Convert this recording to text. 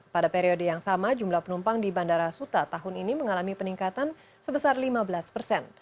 pada periode yang sama jumlah penumpang di bandara suta tahun ini mengalami peningkatan sebesar lima belas persen